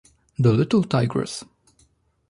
The little tigress.